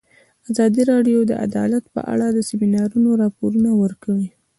ازادي راډیو د عدالت په اړه د سیمینارونو راپورونه ورکړي.